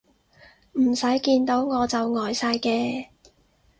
唔使見到我就呆晒嘅